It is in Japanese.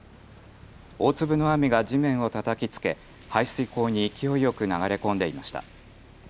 大粒の雨が地面をたたきつけ排水溝に勢いよく流れ込んでいました。